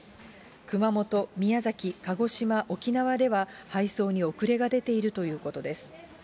熊本、宮崎、鹿児島、沖縄では、配送に遅れが出ているということです。